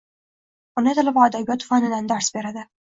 Ona tili va adabiyot fanidan dars beradi